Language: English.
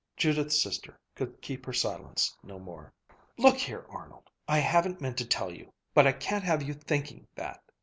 Judith's sister could keep her silence no more. "Look here, Arnold, I haven't meant to tell you, but I can't have you thinking that.